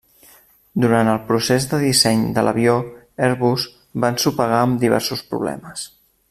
Durant el procés de disseny de l'avió, Airbus va ensopegar amb diversos problemes.